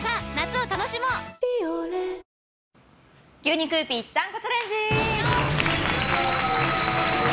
「ビオレ」牛肉ぴったんこチャレンジ！